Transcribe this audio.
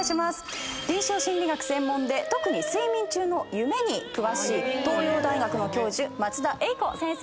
臨床心理学専門で特に睡眠中の夢に詳しい東洋大学の教授松田英子先生。